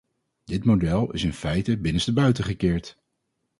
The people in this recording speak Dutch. Dit model is in feite binnenstebuiten gekeerd.